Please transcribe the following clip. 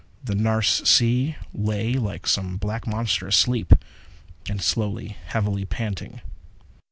The Nares Sea lay like some black monster asleep, and slowly, heavily panting.